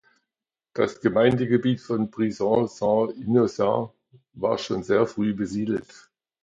Das Gemeindegebiet von Brison-Saint-Innocent war schon sehr früh besiedelt.